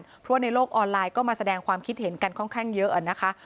เพราะว่าในโลกออนไลน์ก็มาแสดงความคิดเห็นกันค่อนข้างเยอะนะคะ